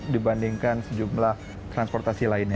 dibandingkan sejumlah transportasi lainnya